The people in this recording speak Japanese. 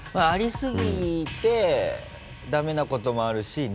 ありすぎてダメなこともあるし